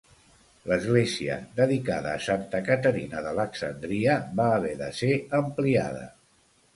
L'església, dedicada a Santa Caterina d'Alexandria, va haver de ser ampliada.